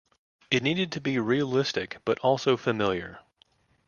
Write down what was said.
It needed to be realistic but also familiar.